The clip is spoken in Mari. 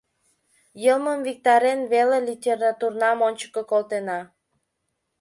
Йылмым виктарен веле, литературнам ончыко колтена.